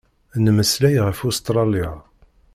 Nmeslay ɣef Ustṛalya.